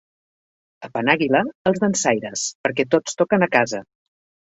A Penàguila, els dansaires, perquè tots toquen a casa.